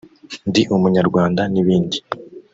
Ndi Umunyarwanda n’ibindi